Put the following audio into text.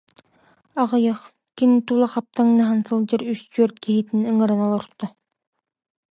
Аҕыйах, кини тула хаптаҥнаһан сылдьар үс-түөрт, киһитин ыҥыран олорто